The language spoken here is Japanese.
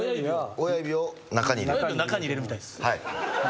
親指を中に入れるみたいです。